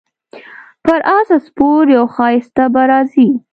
پر اس سپور یو ښایسته به راځي